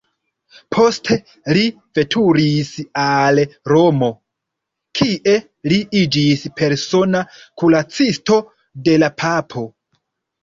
Poste li veturis al Romo, kie li iĝis persona kuracisto de la Papo.